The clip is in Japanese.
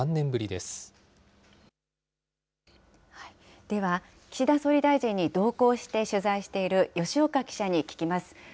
では、岸田総理大臣に同行して取材している吉岡記者に聞きます。